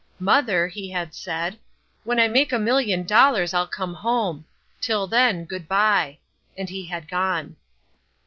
"Mother," he had said, "when I make a million dollars I'll come home. Till then good bye," and he had gone.